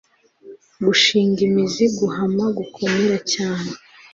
gushinga imizi guhama, gukomera cyane